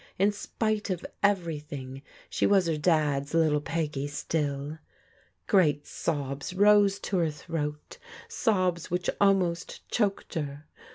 In spite of everything she was her Dad's little Peggy still. Great sobs rose to her throat, sobs wV^xda. ^^isaKi"^ choked her.